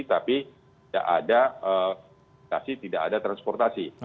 tapi tidak ada transportasi